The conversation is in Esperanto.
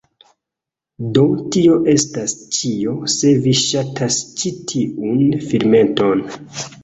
Do tio estas ĉio, se vi ŝatas ĉi tiun filmeton